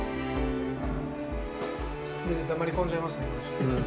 黙り込んじゃいますね。